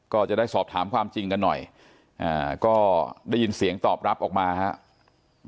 ก็จะได้สอบถามความจริงกันหน่อยก็ได้ยินเสียงตอบรับออกมาครับ